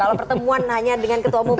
kalau pertemuan hanya dengan ketua umum